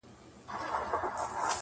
درد هېڅکله بشپړ نه ختمېږي تل-